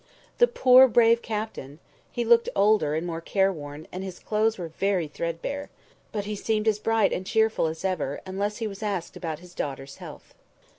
The poor, brave Captain! he looked older, and more worn, and his clothes were very threadbare. But he seemed as bright and cheerful as ever, unless he was asked about his daughter's health.